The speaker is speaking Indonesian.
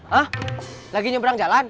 hah lagi nyebrang jalan